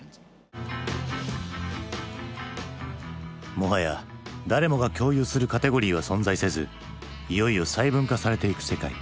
もはや誰もが共有するカテゴリーは存在せずいよいよ細分化されていく世界。